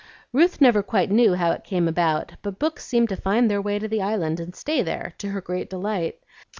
Ruth never quite knew how it came about, but books seemed to find their way to the Island and stay there, to her great delight.